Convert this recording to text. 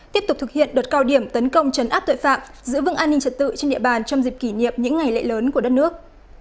tiếp tục thực hiện đợt cao điểm tấn công chấn áp tội phạm giữ vững an ninh trật tự trên địa bàn trong dịp kỷ niệm những ngày lễ lớn của đất nước